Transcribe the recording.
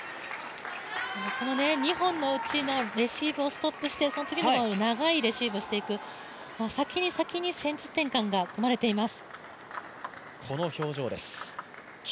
この２本のうちのレシーブをストップして、その次の長いレシーブをしていく先に先に戦術転換が生まれています。